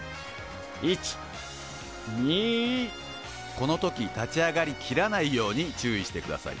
この時立ち上がりきらないように注意してください。